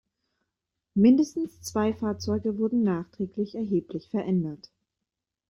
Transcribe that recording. Mindestens zwei Fahrzeuge wurden nachträglich erheblich verändert.